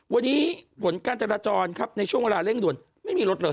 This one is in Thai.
วันนี้ผลการจราจรครับในช่วงเวลาเร่งด่วนไม่มีรถเลย